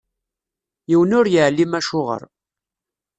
Yiwen ur yeɛlim acuɣeṛ.